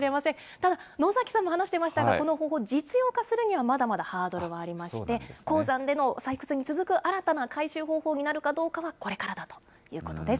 ただ野崎さんも話していましたが、この方法、実用化するにはまだまだハードルはありまして、鉱山での採掘に続く新たな回収方法になるかどうかは、これからだということです。